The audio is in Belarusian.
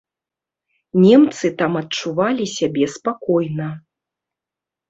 Немцы там адчувалі сябе спакойна.